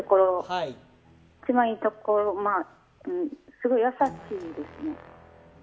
すごい優しいですね。